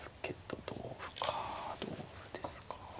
同歩ですか。